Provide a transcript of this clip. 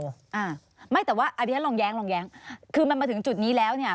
อ่าไม่แต่ว่าอธิฮันลองแย้งคือมันมาถึงจุดนี้แล้วเนี่ย